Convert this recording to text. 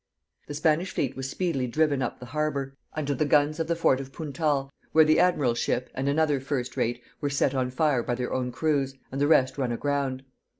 The Spanish fleet was speedily driven up the harbour, under the guns of the fort of Puntal, where the admiral's ship and another first rate were set on fire by their own crews, and the rest run aground.